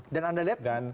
dan anda lihat